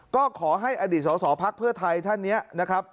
ก็ขอให้อดีตสอสอภักดิ์เพื่อไทยท่านนี้นะครับ